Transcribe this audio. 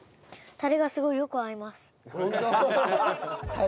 「タレがすごいよく合います」。